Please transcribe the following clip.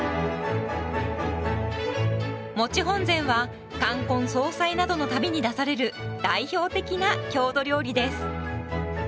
「もち本膳」は冠婚葬祭などのたびに出される代表的な郷土料理です。